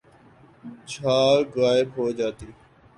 جھاگ غائب ہو جاتی